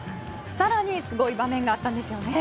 更にすごい場面があったんですよね。